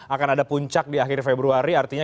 akan ada puncak di akhir februari artinya